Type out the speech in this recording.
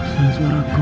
suara suara aku